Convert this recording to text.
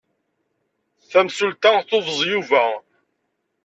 Tamsulta tubeẓ Yuba.